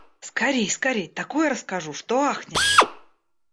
Скорей, скорей, такое расскажу, что ахнешь!